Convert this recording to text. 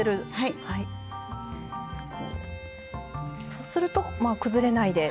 そうするとまあ崩れないで。